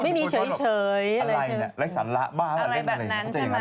ไม่มีเฉยอะไรแบบนั้นใช่ไหม